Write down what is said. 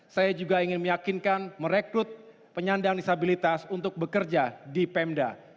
saya juga ingin meyakinkan merekrut penyandang disabilitas untuk bekerja di pemda